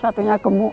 satu nya gemuk